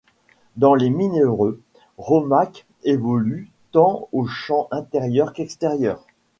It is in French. Dans les mineures, Romak évolue tant aux champs intérieur qu'extérieur.